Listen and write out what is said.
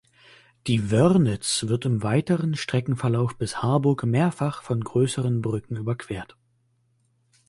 Die Wörnitz wird im weiteren Streckenverlauf bis Harburg mehrfach mit größeren Brücken überquert.